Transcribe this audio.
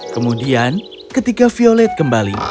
kemudian ketika violet kembali